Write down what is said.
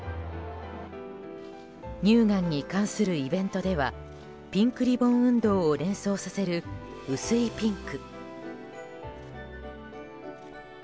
乳がんに関するイベントではピンクリボン運動を連想させる薄いピンク。